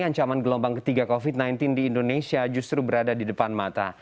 ancaman gelombang ketiga covid sembilan belas di indonesia justru berada di depan mata